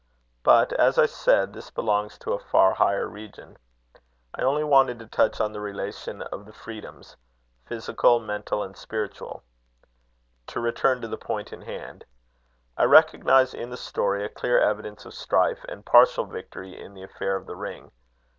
But, as I said, this belongs to a far higher region. I only wanted to touch on the relation of the freedoms physical, mental, and spiritual. To return to the point in hand: I recognise in the story a clear evidence of strife and partial victory in the affair of the ring.